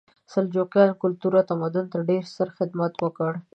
سلجوقیانو کلتور او تمدن ته ډېر ستر خدمت وکړ.